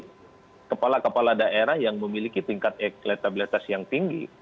jadi ini adalah kata kata saya kepala kepala daerah yang memiliki tingkat ekstabilitas yang tinggi